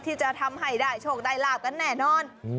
ที่จะทำให้ได้โชคได้ลาบกันแน่นอน